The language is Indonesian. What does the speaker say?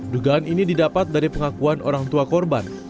dugaan ini didapat dari pengakuan orang tua korban